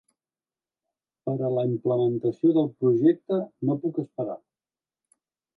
Per a la implementació del projecte "no puc esperar!"